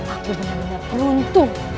aku benar benar beruntung